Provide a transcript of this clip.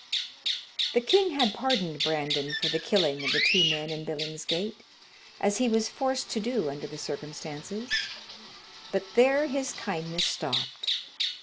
The king had pardoned Brandon for the killing of the two men in Billingsgate, as he was forced to do under the circumstances, but there his kindness stopped.